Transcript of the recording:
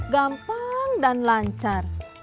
gampang dan lancar